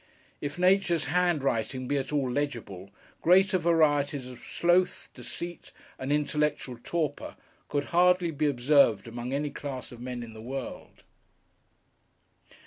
If Nature's handwriting be at all legible, greater varieties of sloth, deceit, and intellectual torpor, could hardly be observed among any class of men in the world.